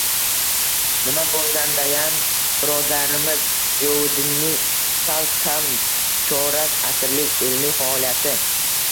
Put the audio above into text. Nima bo‘lgandayam, birodarimiz Ziyovuddinning sal kam chorak asrlik ilmiy faoliyati